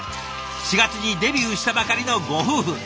４月にデビューしたばかりのご夫婦。